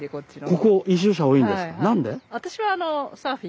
ここ移住者多いんですか。